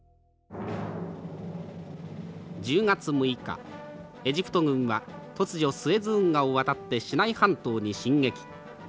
「１０月６日エジプト軍は突如スエズ運河を渡ってシナイ半島に進撃。